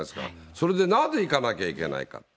それで、なぜ行かなきゃいけないか。